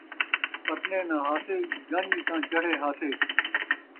پرنے ناں ہاسے، جنڄ تاں چڑھے ہاسے